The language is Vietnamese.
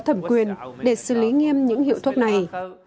thẩm quyền để xử lý nghiêm những hiệu thuốc này